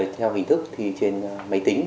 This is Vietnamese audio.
theo hình thức thì trên máy tính